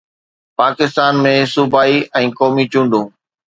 پاڪستان ۾ صوبائي ۽ قومي چونڊون